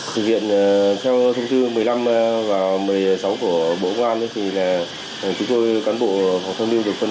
thực hiện theo thông tư một mươi năm và một mươi sáu của bộ công an thì là chúng tôi cán bộ phòng thông lưu được phân